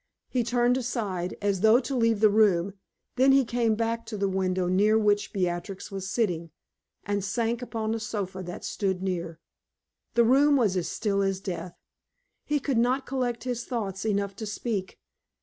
He turned aside, as though to leave the room; then he came back to the window near which Beatrix was sitting, and sank upon a sofa that stood near. The room was as still as death. He could not collect his thoughts enough to speak.